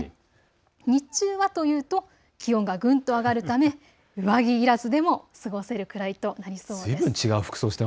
日中はというと気温がぐんと上がるため上着いらずでも過ごせるぐらいとなりそうです。